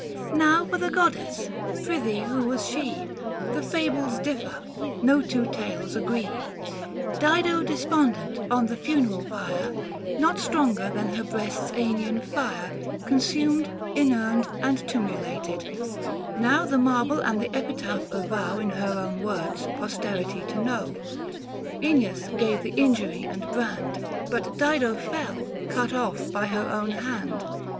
y DO o J Now for the Goddess ; pry thee who was she? The fables differ ; no two tales agree. 88 THE FASTI. Book III. Dido despondent, on the funeral pyre — 590 Not stronger than her breast's iEneian fire — Consumed, inurned and tumulated ; now The marble and the epitaph avow In her own words, posterity to know, " iEneas gave the injury and brand, 595 But Dido fell, cut off by her own hand."